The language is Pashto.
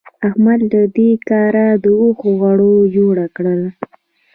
احمد له دې کاره د اوښ غوو جوړ کړل.